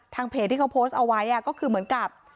เพจที่เขาโพสต์เอาไว้ก็คือเหมือนกับ